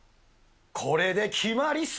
これで決まりさ。